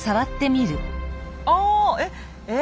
あえっえ